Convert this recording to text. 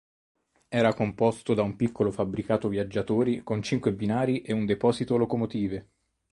Era composto da un piccolo fabbricato viaggiatori con cinque binari e un deposito locomotive.